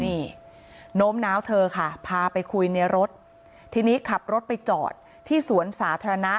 นี่โน้มน้าวเธอค่ะพาไปคุยในรถทีนี้ขับรถไปจอดที่สวนสาธารณะ